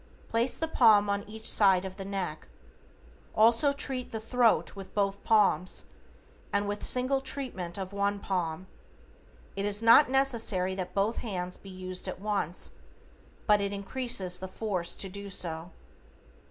Place the palm on each side of the neck. Also treat the throat with both palms, and with single treatment of one palm. IT IS NOT NECESSARY THAT BOTH HANDS BE USED AT ONCE, but it increases the force to do so.